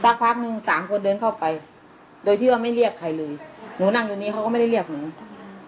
พักหนึ่งสามคนเดินเข้าไปโดยที่ว่าไม่เรียกใครเลยหนูนั่งอยู่นี้เขาก็ไม่ได้เรียกหนูอืม